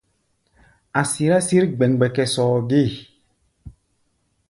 A̧ sirá sǐr gbɛmgbɛkɛ sɔɔ gée.